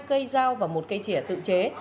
một cây dao và một cây chìa tự chế